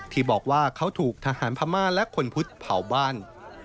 ที่บอกว่าเขาถูกทหารพม่าและคนพุทธเผาบ้าน